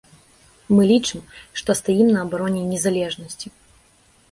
Мы лічым, што стаім на абароне незалежнасці.